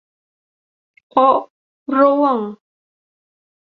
โอะร่วง